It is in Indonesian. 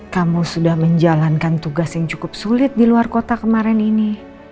kamu sudah menjalankan tugas yang cukup sulit di luar kota kemarin ini